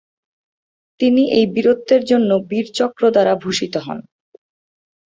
তিনি এই বীরত্বের জন্য বীর চক্র দ্বারা ভূষিত হন।